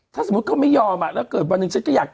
ถ้าสมมุติเขาไม่ยอมแล้วเกิดวันหนึ่งฉันก็อยาก